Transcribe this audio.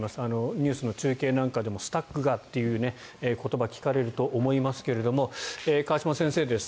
ニュースの中継なんかでもスタックがという言葉が聞かれると思いますが河島先生です。